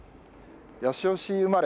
八潮市生まれ